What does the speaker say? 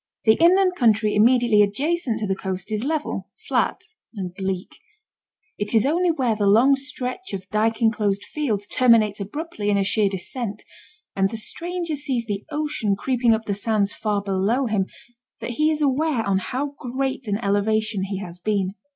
The inland country immediately adjacent to the coast is level, flat, and bleak; it is only where the long stretch of dyke enclosed fields terminates abruptly in a sheer descent, and the stranger sees the ocean creeping up the sands far below him, that he is aware on how great an elevation he has been.